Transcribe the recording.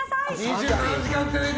「２７時間テレビ」